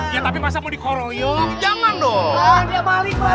ya tapi masa mau dikorok yuk jangan dong